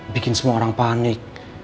bikin semua orang panik